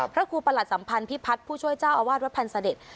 พระครูประหลัดสัมพันธ์พิพัฒน์ผู้ช่วยเจ้าอาวาสวัดพันธ์เสด็จ